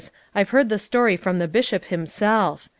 I've heard the story from the Bishop himself.